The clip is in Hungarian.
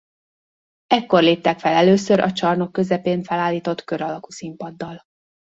Ekkor léptek fel először a csarnok közepén felállított kör alakú színpaddal.